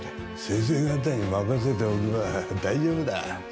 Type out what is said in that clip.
先生方に任せておけば大丈夫だ。